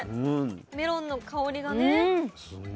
メロンの香りがね。